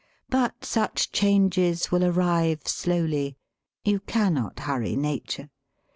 But such changes will arrive slowly. You cannot hurry nature.